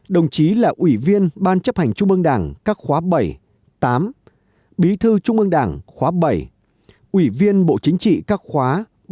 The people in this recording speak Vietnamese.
đồng chí là ủy viên ban chấp hành trung mương đảng các khóa bảy tám bí thư trung mương đảng khóa bảy ủy viên bộ chính trị các khóa bảy tám